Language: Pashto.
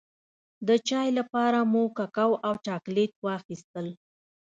د چای لپاره مو ککو او چاکلېټ واخيستل.